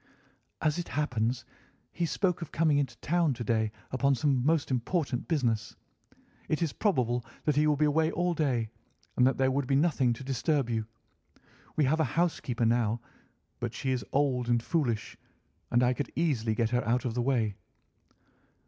"As it happens, he spoke of coming into town to day upon some most important business. It is probable that he will be away all day, and that there would be nothing to disturb you. We have a housekeeper now, but she is old and foolish, and I could easily get her out of the way."